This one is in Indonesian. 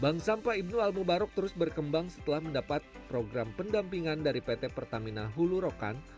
bank sampah ibn al mubarok terus berkembang setelah mendapat program pendampingan dari pt pertamina hulu rokan